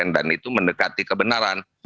dan itu mendekati kebenaran